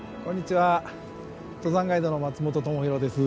登山ガイドの松本智広です。